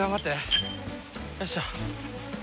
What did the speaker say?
よいしょ。